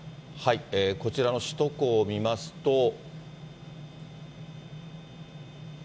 こちらの首都高を見ますと。